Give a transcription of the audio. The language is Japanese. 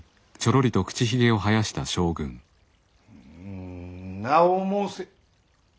ん名を申せ。